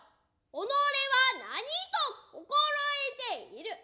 己は何と心得ている。